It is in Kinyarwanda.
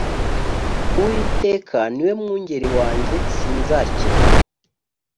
Uwiteka niwe mungeri wanjye si nzakena